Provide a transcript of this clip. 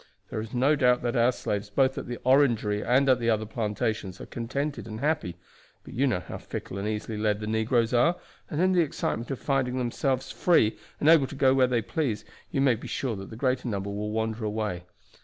There is no doubt that our slaves, both at the Orangery and at the other plantations, are contented and happy; but you know how fickle and easily led the negroes are, and in the excitement of finding them selves free and able to go where they please, you may be sure that the greater number will wander away.